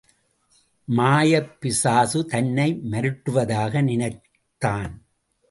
மாயப்பிசாசு தன்னை மருட்டுவதாக நினைத்தான்.